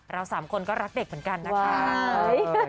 สามคนก็รักเด็กเหมือนกันนะคะ